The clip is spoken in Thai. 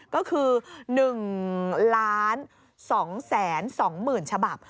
ก็คือ๑๒๒๐๐๐ฉบับ